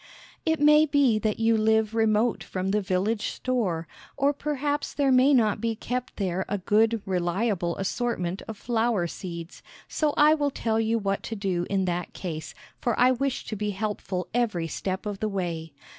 It may be that you live remote from the village store, or perhaps there may not be kept there a good, reliable assortment of flower seeds, so I will tell you what to do in that case, for I wish to be helpful every step of the way.